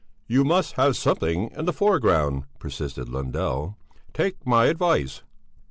"You must have something in the foreground," persisted Lundell. "Take my advice."